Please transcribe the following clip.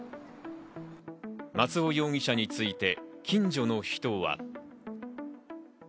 松尾容疑者について近所の人は。